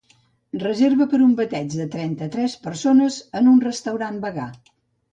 Reserva per a un bateig de trenta-tres persones en un restaurant vegà.